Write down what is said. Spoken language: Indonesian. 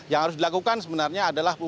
yang harus dilakukan sebenarnya adalah